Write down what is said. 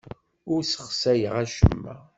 Ur ssexsayeɣ acemma.